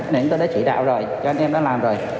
nên tôi đã chỉ đạo rồi cho anh em đã làm rồi